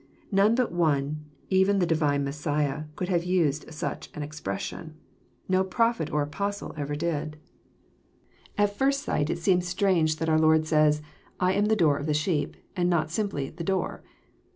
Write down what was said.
None but One, even the Divine Messiah, could have used such an expres* sion. No prophet or apostle ever did. / JOHN, CHAP. X. 185 At first sight it seems strange that our Lord sayiis, *' t am the Door of the sheep," and not simply " the Door."